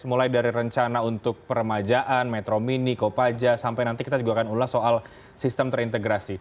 mulai dari rencana untuk peremajaan metro mini kopaja sampai nanti kita juga akan ulas soal sistem terintegrasi